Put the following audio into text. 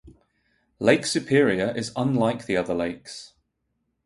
Lake Superior is unlike the other lakes.